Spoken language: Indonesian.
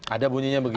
ada bunyinya begitu